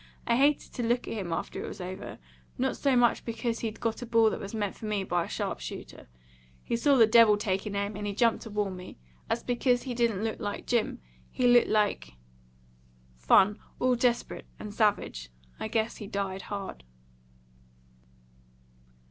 I hated to look at him after it was over, not so much because he'd got a ball that was meant for me by a sharpshooter he saw the devil takin' aim, and he jumped to warn me as because he didn't look like Jim; he looked like fun; all desperate and savage. I guess he died hard."